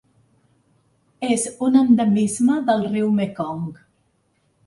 És un endemisme del riu Mekong.